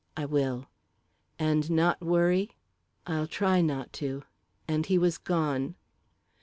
"I will." "And not worry." "I'll try not to," and he was gone.